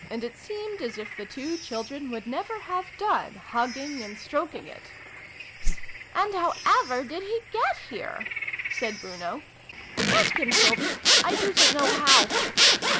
it seemed as if the two children would never have done hugging and stroking it. " And how ever did he get here? " said Bruno. " Ask him, Sylvie. I doosn't know how."